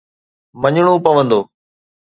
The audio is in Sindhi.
مڃڻو پوندو.